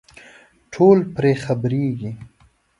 ټول پرې خبرېږي.